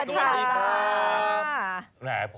สวัสดีครับ